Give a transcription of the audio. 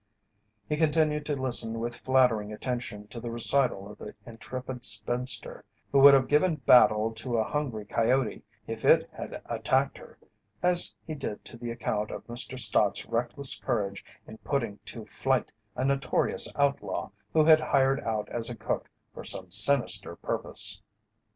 He continued to listen with flattering attention to the recital of the intrepid spinster who would have given battle to a hungry coyote if it had attacked her, as he did to the account of Mr. Stott's reckless courage in putting to flight a notorious outlaw who had hired out as a cook for some sinister purpose.